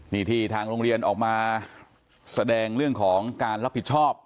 นี่ที่ทางโรงเรียนออกมาแสดงเรื่องของการรับผิดชอบ